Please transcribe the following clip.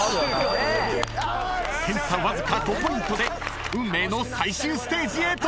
［点差わずか５ポイントで運命の最終ステージへ突入！］